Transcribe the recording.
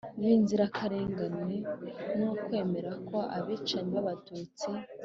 b'inzirakarengane. ni ukwemera ko abicanyi b'abatutsi